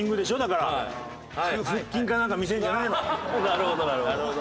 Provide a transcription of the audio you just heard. なるほどなるほど。